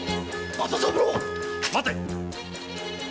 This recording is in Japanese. ・待て！